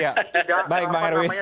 ya tidak apa namanya tidak